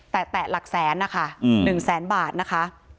แต่แตะหลักแสนนะคะ๑แสนบาทนะคะ